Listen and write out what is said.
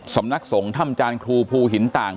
สำนักสงฆ์ถ้ำจานครูภูหินต่าง